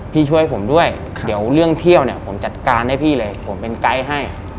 ช่วยผมด้วยเดี๋ยวเรื่องเที่ยวเนี่ยผมจัดการให้พี่เลยผมเป็นไกด์ให้